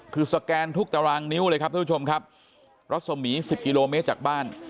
คือสแกนทุกตารางนิ้วเลยครับท่านผู้ชมครับรัศมี๑๐กิโลเมตรจากบ้าน